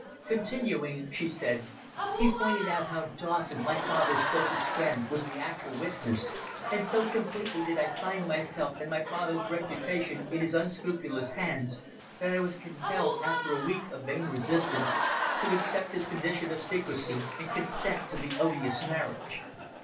Continuing, she said, "He pointed out how Dawson, my father's closest friend, was the actual witness, and so completely did I find myself and my father's reputation in his unscrupulous hands, that I was compelled, after a week of vain resistance, to accept his condition of secrecy and consent to the odious marriage.